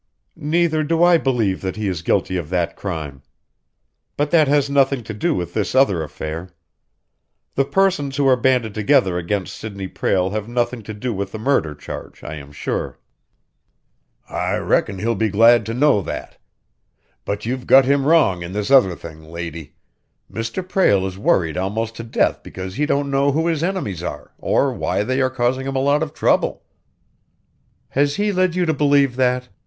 "Neither do I believe that he is guilty of that crime, but that has nothing to do with this other affair. The persons who are banded together against Sidney Prale have nothing to do with the murder charge, I am sure." "I reckon he'll be glad to know that. But you've got him wrong in this other thing, lady. Mr. Prale is worried almost to death because he don't know who his enemies are, or why they are causin' him a lot of trouble." "He has led you to believe that?"